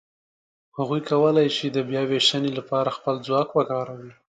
هغوی کولای شي د بیاوېشنې لهپاره خپل ځواک وکاروي.